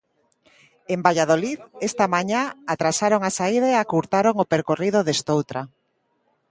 En Valladolid, esta mañá atrasaron a saída e acurtaron o percorrido destoutra.